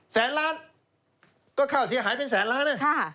แสนล้านก็ค่าเสียหายเป็นแสนล้านนะ